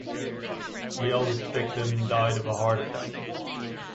The eldest victim died of a heart attack.